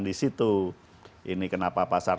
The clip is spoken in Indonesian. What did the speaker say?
di situ ini kenapa pasar